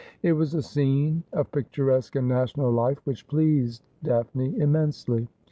It was a scene of picturesque and national life which pleased Daphne immensely.